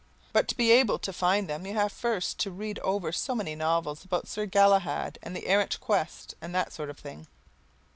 But to be able to find them you have first to read ever so many novels about Sir Galahad and the Errant Quest and that sort of thing.